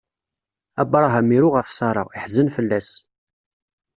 Abṛaham iru ɣef Ṣara, iḥzen fell-as.